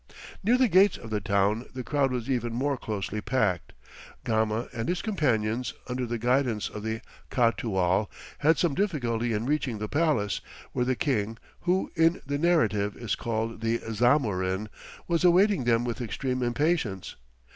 Near the gates of the town the crowd was even more closely packed. Gama and his companions, under the guidance of the Catoual, had some difficulty in reaching the palace, where the king, who in the narrative is called the "Zamorin," was awaiting them with extreme impatience.